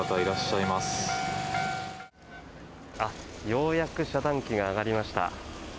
ようやく遮断機が上がりました。